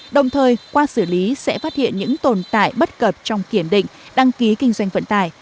đồng thời qua xử lý sẽ phát hiện những tồn tại bất cập trong kiểm định đăng ký kinh doanh vận tải